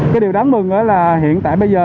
cái điều đáng mừng là hiện tại bây giờ